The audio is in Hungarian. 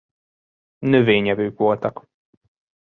Növényevők voltak.